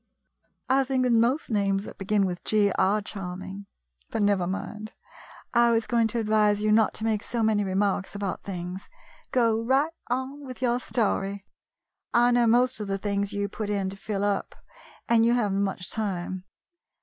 " I think that most names that begin with G are charming. But never mind, I was going to advise you not to make so many remarks about things. Go right on with your story. I know most of the things you put in to fill up, and you have n't much time.